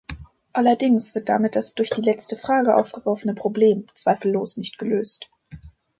Allerdings wird damit das durch die letzte Frage aufgeworfene Problem zweifellos nicht gelöst.